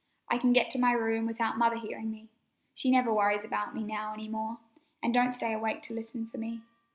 I can get to my room without Mother hearing me. She never worries about me now any more, an' don't stay awake to listen for me.